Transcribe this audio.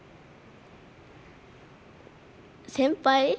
先輩。